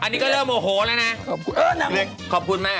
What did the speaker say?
อันนี้ก็เริ่มโอโหแล้วนะ